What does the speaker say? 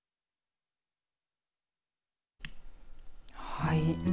はい。